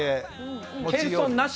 謙遜なし？